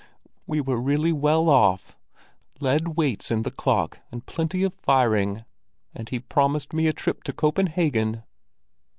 We were really well off—lead weights in the clock and plenty of firing; and he promised me a trip to Copenhagen.